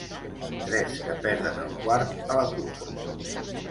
Tres que perden el quart a la cua.